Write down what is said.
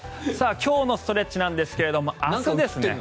今日のストレッチなんですが。